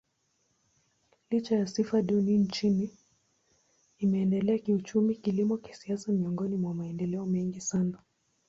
Licha ya sifa duni nchini, imeendelea kiuchumi, kilimo, kisiasa miongoni mwa maendeleo mengi sana.